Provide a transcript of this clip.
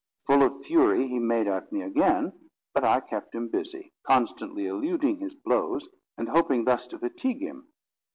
Full of fury, he made at me again; but I kept him busy, constantly eluding his blows, and hoping thus to fatigue him.